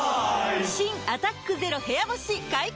新「アタックＺＥＲＯ部屋干し」解禁‼